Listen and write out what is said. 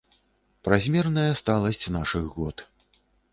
Празмерная сталасць нашых год!